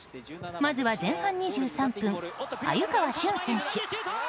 まずは前半２３分、鮎川峻選手。